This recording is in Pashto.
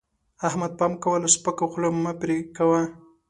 احمده! پام کوه؛ له سپکه خوله مه پرې کوه.